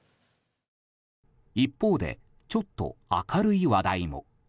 一方でちょっと明るい話題も。